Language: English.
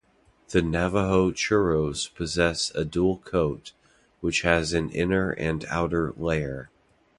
The Navajo-Churros possess a dual coat, which has an inner and an outer layer.